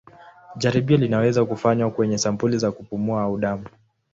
Jaribio linaweza kufanywa kwenye sampuli za kupumua au damu.